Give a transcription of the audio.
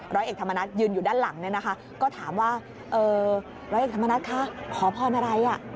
ร้อยเอกธรรมนัฐยืนอยู่ด้านหลังเนี่ยนะคะก็ถามว่าร้อยเอกธรรมนัฐคะขอพรอะไร